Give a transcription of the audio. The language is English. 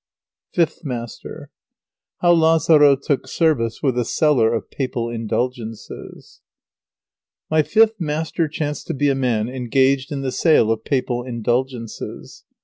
FIFTH MASTER HOW LAZARO TOOK SERVICE WITH A SELLER OF PAPAL INDULGENCES My fifth master chanced to be a man engaged in the sale of Papal Indulgences.